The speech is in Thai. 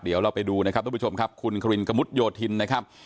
เดี๋ยวเราไปดูนะครับทุกผู้ชมครับคุณควินกระมุดโยธินนะครับ